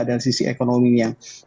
dan sisi ekonomi kita juga akan berpengaruh